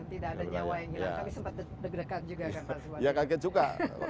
tidak ada nyawa yang hilang tapi sempat dekat juga kan pak suwadi